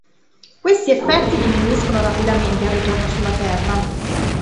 Questi effetti diminuiscono rapidamente al ritorno sulla Terra.